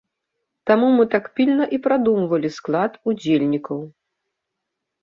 Таму мы так пільна і прадумвалі склад удзельнікаў.